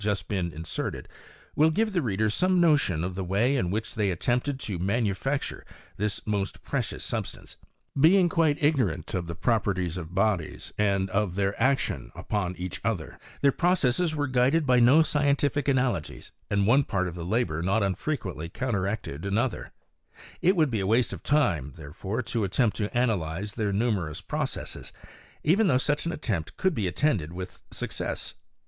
been just inserted, will givi the reader some notion of the way in which they at tempted to manufacture this most precious substance Being quite ignorant of the properties of bodies, an of their action on each other, their processes wei guided by no scientific analogies, and one part of tl labour not unfrequently counteracted another; itwoul be a waste of time, therefore, to attempt to analyze the numerous processes, even though such an attem' could be attended with success.